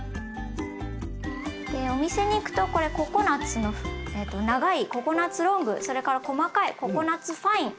お店に行くとこれココナツの長いココナツロングそれから細かいココナツファイン。